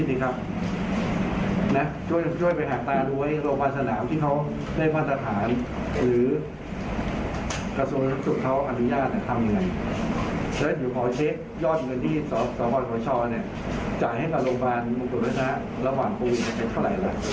จ่ายให้กับโรงพลาสมุทรรภาคระการโรควิด๙เทคเท็จเท่าไหร่ละ